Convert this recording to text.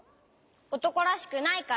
おとこらしくないから！